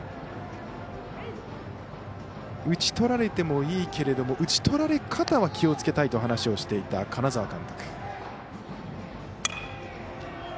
打ち取られてもいいけれども打ち取られ方は気をつけたいと話をしていた金沢監督。